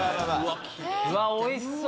うわおいしそう！